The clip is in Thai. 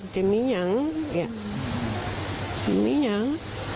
มันจะมียังมียัง